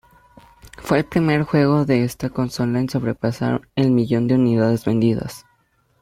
Fue el primer juego de esta consola en sobrepasar el millón de unidades vendidas.